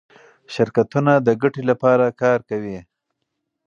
شرکتونه د ګټې لپاره کار کوي.